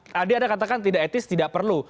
tadi anda katakan tidak etis tidak perlu